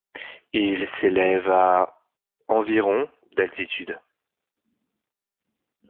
Il s'élève à environ d'altitude.